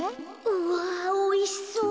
うわおいしそう。